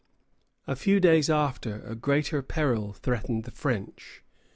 A few days after, a greater peril threatened the French.